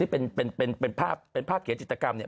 เป็นภาพเขียนจิตรกรรมเนี่ย